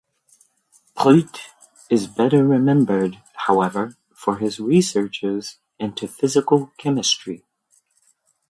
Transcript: Prout is better remembered, however, for his researches into physical chemistry.